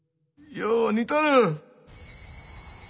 よう似とる。